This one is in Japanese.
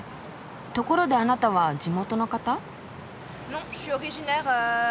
ところであなたは地元の方？